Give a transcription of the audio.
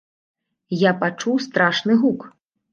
Я пачуў страшны гук.